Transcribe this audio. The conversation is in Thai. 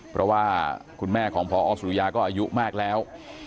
เพราะว่าคุณแม่ของพอสุริยาก็อายุมากแล้ว